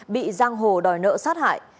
bị giang hồ đòi nợ sát hại